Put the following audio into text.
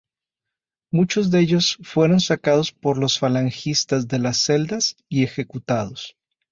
Muchos de ellos fueron sacados por los falangistas de las celdas y ejecutados.